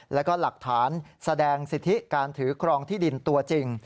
แล้วก็หลักฐานแสดงสิทธิการถือครองที่ดินตัวจริง